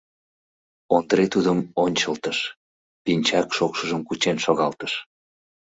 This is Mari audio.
Ондре тудым ончылтыш, пинчак шокшыжым кучен шогалтыш: